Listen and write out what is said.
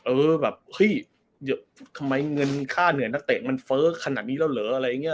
เออแบบเฮ้ยทำไมเงินค่าเหนื่อยนักเตะมันเฟ้อขนาดนี้แล้วเหรออะไรอย่างนี้